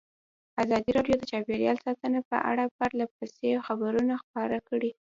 ازادي راډیو د چاپیریال ساتنه په اړه پرله پسې خبرونه خپاره کړي.